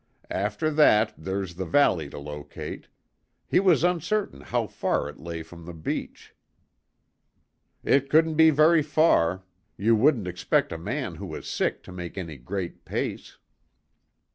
"After that, there's the valley to locate; he was uncertain how far it lay from the beach." "It couldn't be very far. You wouldn't expect a man who was sick to make any great pace."